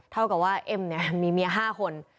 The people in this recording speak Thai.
ก็คือเอ็มมีเมียห้าคน